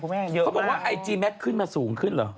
เขาบอกว่าไอจีแมทขึ้นมาสูงขึ้นเหรอ